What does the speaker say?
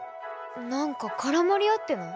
何か絡まり合ってない？